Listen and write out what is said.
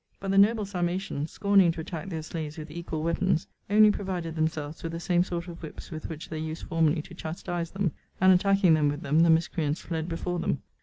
But the noble Sarmatians, scorning to attack their slaves with equal weapons, only provided themselves with the same sort of whips with which they used formerly to chastise them. And attacking them with them, the miscreants fled before them.